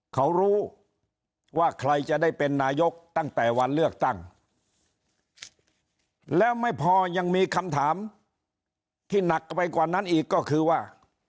เขารู้ว่าใครจะได้เป็นนายกตั้งแต่วันเลือกตั้งแล้วไม่พอยังมีคำถามที่หนักไปกว่านั้นอีกก็คือว่า